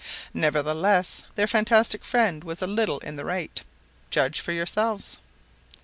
Nevertheless, their fantastic friend was a little in the right. Judge for yourselves.